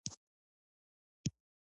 کوکچه سیند ولې دومره تیز دی؟